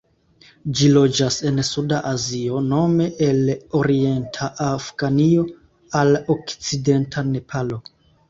Ĝi loĝas en suda Azio, nome el orienta Afganio al okcidenta Nepalo.